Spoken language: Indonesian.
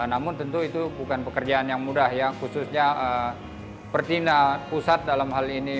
namun tentu itu bukan pekerjaan yang mudah ya khususnya pertinda pusat dalam hal ini